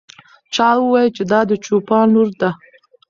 چا وویل چې دا د چوپان لور ده.